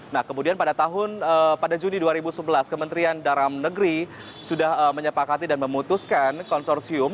nah kemudian pada juni dua ribu sebelas kementerian dalam negeri sudah menyepakati dan memutuskan konsorsium